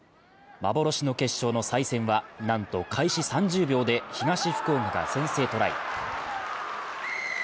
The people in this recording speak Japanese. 幻の決勝の再戦はなんと開始３０秒で東福岡が先制トライ。